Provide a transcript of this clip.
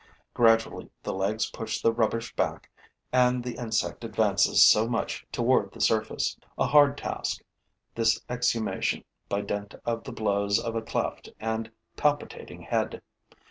Gradually the legs push the rubbish back and the insect advances so much toward the surface. A hard task, this exhumation by dint of the blows of a cleft and palpitating head.